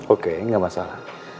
oke gak masalah